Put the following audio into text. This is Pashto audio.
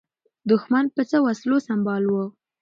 دښمن په څه وسلو سمبال و؟